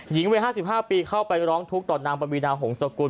หญิงวัย๕๕ปีเข้าไปร้องทุกข์ต่อนางปวีนาหงศกุล